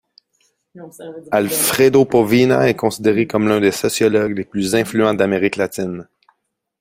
Alfredo Poviña est considéré comme l’un des sociologues les plus influents d’Amérique latine.